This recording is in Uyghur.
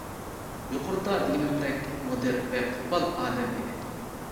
يۇقىرىدا دېگىنىمدەك، مۇدىر بەك قوپال ئادەم ئىدى.